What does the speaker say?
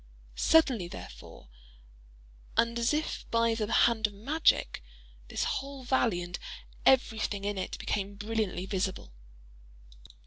Suddenly, therefore—and as if by the hand of magic—this whole valley and every thing in it became brilliantly visible.